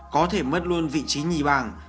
có thể mất luôn vị trí nhì bảng